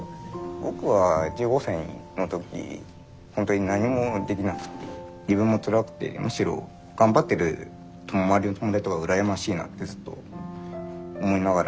僕は１５歳のとき本当に何もできなくて自分もつらくてむしろ頑張ってる周りの友達とか羨ましいなってずっと思いながら見て。